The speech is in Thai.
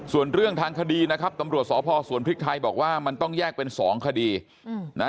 ส่วนเรื่องทางคดีนะครับตำรวจสพสวนพริกไทยบอกว่ามันต้องแยกเป็นสองคดีนะ